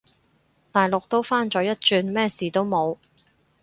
大陸都返咗一轉，乜事都冇